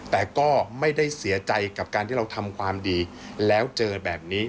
แต่ก็ไม่ได้เสียใจกับการที่เราทำความดีแล้วเจอแบบนี้